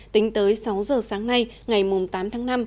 tính tới sáu giờ sáng nay ngày tám tháng năm